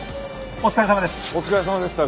お疲れさまです。